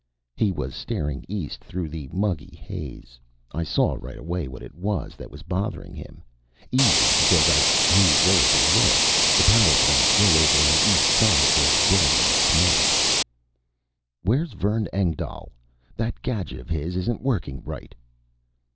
He was staring east through the muggy haze. I saw right away what it was that was bothering him easy, because I knew where to look. The power plant way over on the East Side was billowing smoke. "Where's Vern Engdahl? That gadget of his isn't working right!"